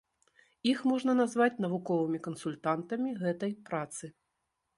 Іх можна назваць навуковымі кансультантамі гэтай працы.